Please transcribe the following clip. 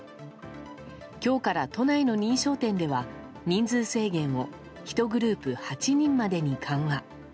今日から都内の認証店では人数制限を１グループ８人までに緩和。